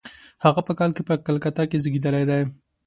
هغه په کال کې په کلکته کې زېږېدلی دی.